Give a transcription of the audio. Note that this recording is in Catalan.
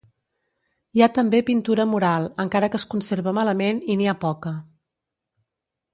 Hi ha també pintura mural, encara que es conserva malament i n'hi ha poca.